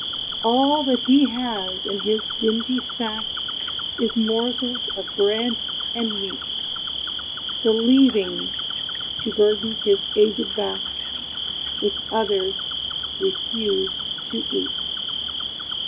All that he has in his dingy sack Is morsels of bread and meat, The leavings, to burden his aged back, Which others refused to eat.